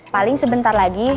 paling sebentar lagi